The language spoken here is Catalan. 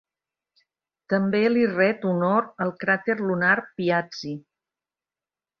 També li ret honor el cràter lunar "Piazzi".